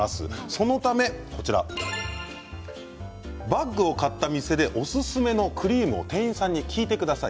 そのためバッグを買った店でおすすめのクリームを店員さんに聞いてください。